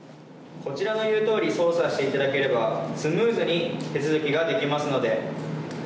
こちらの言うとおり操作していただければスムーズに手続きができますので。